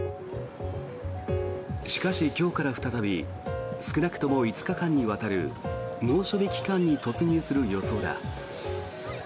しかし、今日から再び少なくとも５日間にわたる猛暑日期間に突入する予想だ。